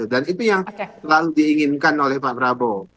dan itu yang selalu diinginkan oleh pak prabowo